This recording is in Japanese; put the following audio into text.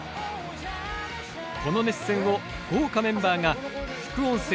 この熱戦を豪華メンバーが副音声＃